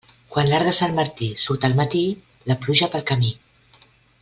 Quan l'arc de Sant Martí surt al matí, la pluja pel camí.